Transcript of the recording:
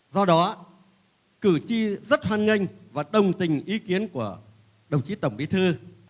do đó cử tri rất hoàn ngành và đồng tình ý kiến của đồng chí tổng bí thư